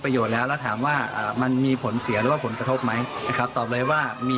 แต่ช้าเลยไม่อยากใช้ไม่อยากใช้